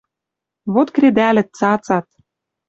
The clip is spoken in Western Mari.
Вот кредӓлӹт, цацат.